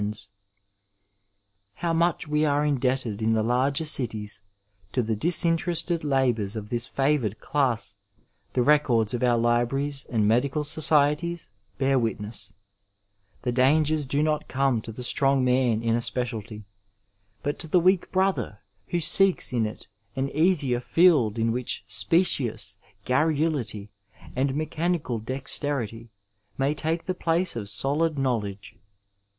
438 Digitized by Google THE STUDENT LIFE How macli we ure indebted in the larger cities to the disinterested labonrs of this favoored class the records of our libraries and medical societies bear witness. The dangers do not come to the strong man in a speciality, but to the weak brother who seeks in it an easier field in which specious garrulity and mechanical dexterity may take the place of solid knowledge.